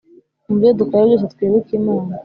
Mu byo dukora byose twibuke imana